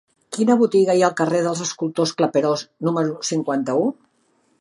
Quina botiga hi ha al carrer dels Escultors Claperós número cinquanta-u?